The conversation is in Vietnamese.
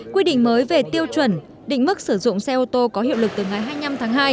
quy định mới về tiêu chuẩn định mức sử dụng xe ô tô có hiệu lực từ ngày hai mươi năm tháng hai